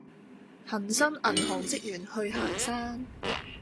恆生銀行職員去行山